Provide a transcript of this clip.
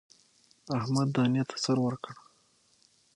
احمد دانې ته سر ورکړ.